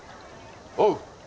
おう！